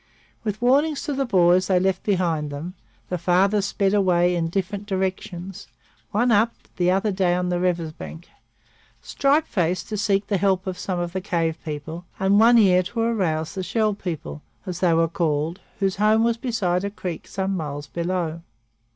With warnings to the boys they left behind them, the fathers sped away in different directions, one up, the other down, the river's bank, Stripe Face to seek the help of some of the cave people and One Ear to arouse the Shell people, as they were called, whose home was beside a creek some miles below.